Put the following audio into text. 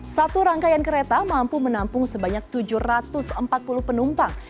satu rangkaian kereta mampu menampung sebanyak tujuh ratus empat puluh penumpang